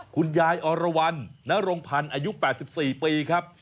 คุณยายอรวรรณนรงพันธ์อายุ๘๔ปีครับ